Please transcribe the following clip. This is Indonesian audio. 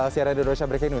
siaran indonesia breaking news